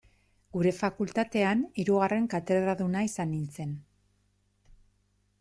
Gure fakultatean, hirugarren katedraduna izan nintzen.